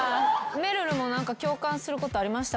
めるるも何か共感することありました？